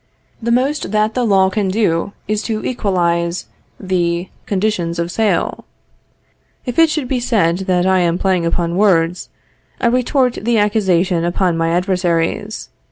The most that the law can do is to equalize the conditions of sale. If it should be said that I am playing upon words, I retort the accusation upon my adversaries.